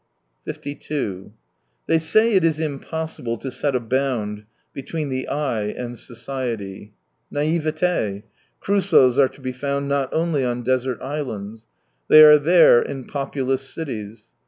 52 They say it is impossible to set a bound between the "I" and society. Ndiveti! Crusoes are to be found not only on desert islands. They are there, in populous cities.